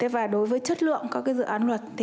và đối với chất lượng các dự án luật